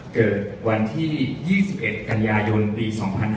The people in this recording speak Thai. เกิดวันที่๒๑กันยายนปี๒๕๕๙